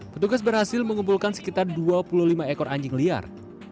petugas berhasil mengumpulkan sekitar dua puluh lima ekor anjing liar